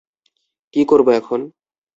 কী করবো এখন?